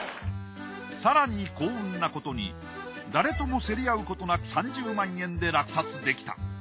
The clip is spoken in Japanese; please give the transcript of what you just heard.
更に幸運なことに誰とも競り合うことなく３０万円で落札できた。